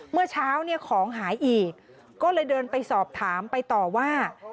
เมื่อเช้าเนี่ยของหายอีกก็เลยเดินไปสอบถามไปต่อว่า